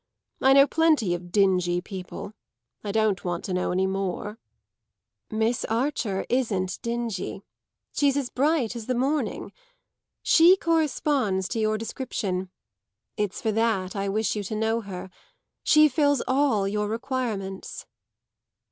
I know plenty of dingy people; I don't want to know any more." "Miss Archer isn't dingy; she's as bright as the morning. She corresponds to your description; it's for that I wish you to know her. She fills all your requirements."